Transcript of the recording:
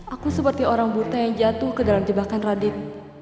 aku seperti orang buta yang jatuh ke dalam jebakan radit